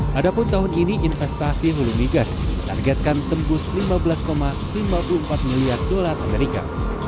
padahal tahun ini investasi hulu migas ditargetkan tembus lima belas lima puluh empat miliar dolar amerika